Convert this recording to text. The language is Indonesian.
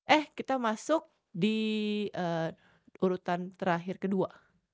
eh kita masuk di urutan terakhir kedua